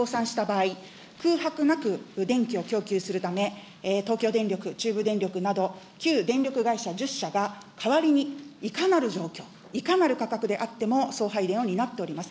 最終保障供給、つまり、新電力などの事業者が、突然撤退や倒産した場合、空白なく、電気を供給するため、東京電力、中部電力など、旧電力会社１０社が代わりにいかなる状況、いかなる価格であっても送配電を担っております。